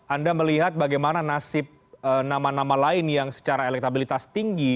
anda melihat bagaimana nasib nama nama lain yang secara elektabilitas tinggi